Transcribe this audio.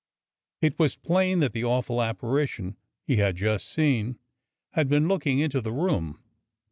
It was plain that the awful apparition he had just seen had been looking into the room.